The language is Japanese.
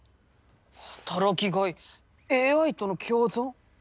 働きがいＡＩとの共存？